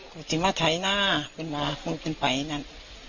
ก็จิตมาท้ายหน้าขึ้นมาขึ้นไปนั่น